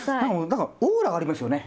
何かオーラがありますよね。